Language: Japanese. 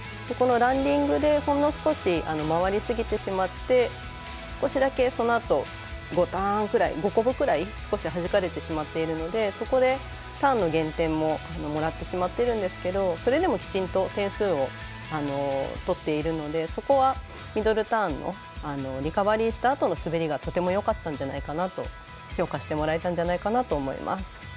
ランディングでほんの少し回りすぎてしまって少しだけ、そのあと５ターン５コブくらい少しはじかれてしまっているのでそこで、ターンの減点ももらってしまってるんですけどそれでもきちんと点数を取っているのでそこはミドルターンのリカバリーしたあとの滑りがとてもよかったんじゃないかなと評価してもらえたんじゃないかなと思います。